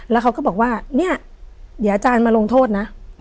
แล้วเขาก็บอกว่าเนี่ยเดี๋ยวอาจารย์มาลงโทษนะ